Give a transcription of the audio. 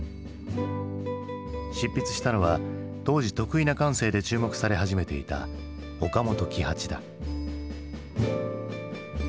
執筆したのは当時特異な感性で注目され始めていた岡本喜八だ。